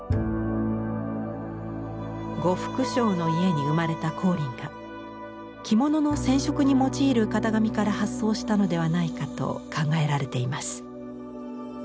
呉服商の家に生まれた光琳が着物の染色に用いる型紙から発想したのではないかと考えられています。